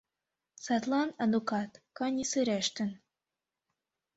Садлан Анукат каньысырештын.